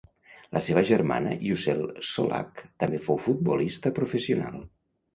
La seva germana Yücel Çolak també fou futbolista professional.